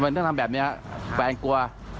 ทำไมต้องทำแบบนี้ครับแฟนกลัว